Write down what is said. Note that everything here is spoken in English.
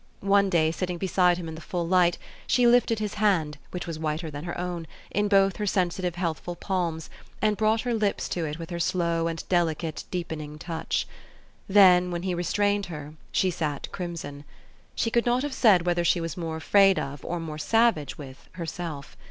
One day, sitting beside him in the full light, she lifted his hand, which was whiter than her own, in both her sensitive, healthful palms, and brought her lips to it with her slow and delicate, deepening touch. Then, when he restrained her, she sat crimson. She could not have said whether she was more afraid of, or more savage with, herself.